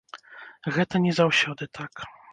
Гэта не заўсёды так.